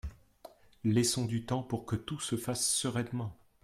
Laissons du temps pour que tout se fasse sereinement.